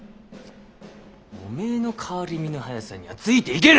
おめぇの変わり身の早さにはついていげぬ。